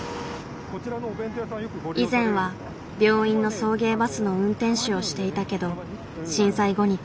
以前は病院の送迎バスの運転手をしていたけど震災後に転職。